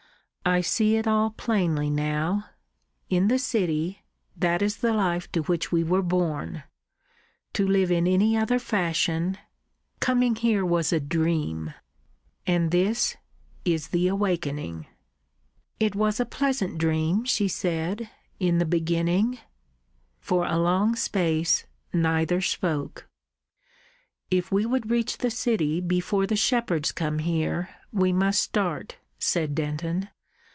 I see it all plainly now. In the city that is the life to which we were born. To live in any other fashion ... Coming here was a dream, and this is the awakening." "It was a pleasant dream," she said, "in the beginning." For a long space neither spoke. "If we would reach the city before the shepherds come here, we must start," said Denton.